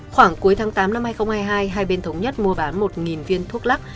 khoảng cuối tháng tám năm hai nghìn hai mươi hai hai bên thống nhất mua bán một viên thuốc lắc